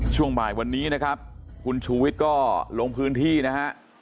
ช่วงบ่ายวันนี้นะครับคุณชูวิทย์ก็ลงพื้นที่นะฮะ